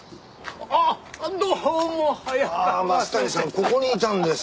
ここにいたんですか。